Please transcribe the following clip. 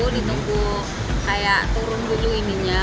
ditunggu kayak turun dulu ininya